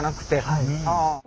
はい。